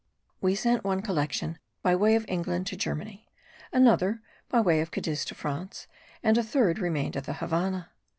We sent one collection by way of England to Germany, another by way of Cadiz to France, and a third remained at the Havannah.